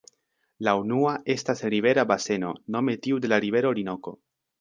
La unua estas rivera baseno, nome tiu de la rivero Orinoko.